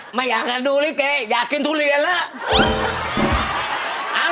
เอ้อไม่อยากหน่าดูริเก๋ยากกินทุเรียนแล้ว